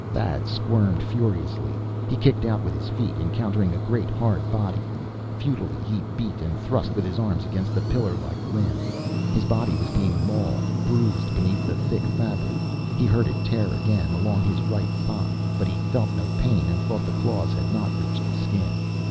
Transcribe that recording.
Thad squirmed furiously. He kicked out with his feet, encountering a great, hard body. Futilely he beat and thrust with his arms against the pillarlike limb. His body was being mauled, bruised beneath the thick fabric. He heard it tear again, along his right thigh. But he felt no pain, and thought the claws had not reached the skin.